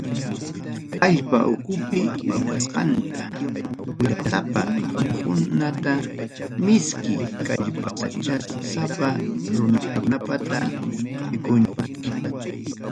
Allpa ukupi wiñasqanta wirasapa muhunata, miski kallpasachasapa rurukunapata mikunchik.